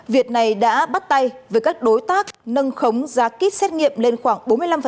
việt này đã bắt tay với các đối tác nâng khống giá kýt xét nghiệm lên khoảng bốn mươi năm